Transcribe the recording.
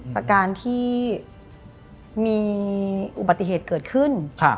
จากการที่มีอุบัติเหตุเกิดขึ้น